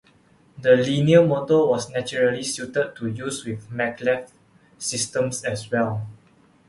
The linear motor was naturally suited to use with maglev systems as well.